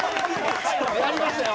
やりましたよ！